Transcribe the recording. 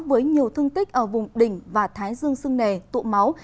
với nhiều thương tích ở vùng đỉnh và thái dương sưng nề tụ máu